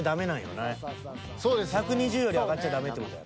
［１２０より上がっちゃダメって事？］